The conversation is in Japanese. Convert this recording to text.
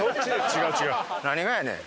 「何がやねん」。